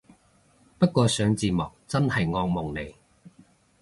不過上字幕真係惡夢嚟